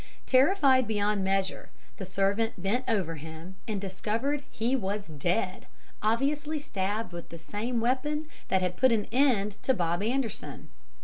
"Terrified beyond measure, the servant bent over him and discovered he was dead, obviously stabbed with the same weapon that had put an end to Bob Anderson.